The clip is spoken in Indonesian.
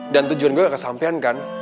dan tujuan gue gak kesampean kan